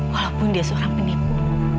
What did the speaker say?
walaupun dia seorang penipu